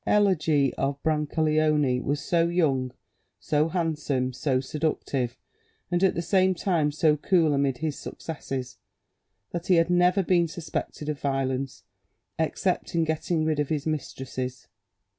Eligi of Brancaleone was so young, so handsome, so seductive, and at the same time so cool amid his successes, that he had never been suspected of violence, except in getting rid of his mistresses.